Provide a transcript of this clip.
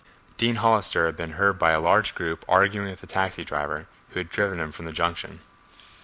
Dean Hollister had been heard by a large group arguing with a taxi driver, who had driven him from the junction.